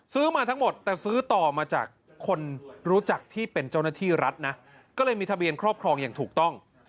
มาทั้งหมดแต่ซื้อต่อมาจากคนรู้จักที่เป็นเจ้าหน้าที่รัฐนะก็เลยมีทะเบียนครอบครองอย่างถูกต้อง